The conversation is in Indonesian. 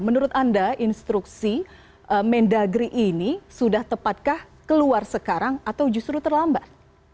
menurut anda instruksi mendagri ini sudah tepatkah keluar sekarang atau justru terlambat